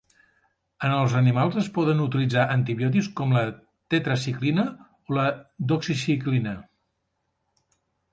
En els animals es poden utilitzar antibiòtics com la tetraciclina o la doxiciclina.